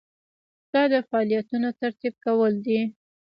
دا د فعالیتونو ترتیب کول دي.